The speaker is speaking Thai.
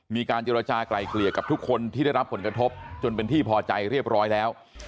มีการเจรจากลายเกลี่ยกับทุกคนที่ได้รับผลกระทบจนเป็นที่พอใจเรียบร้อยแล้ว